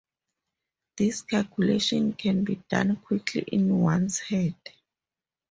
This calculation can be done quickly in one's head.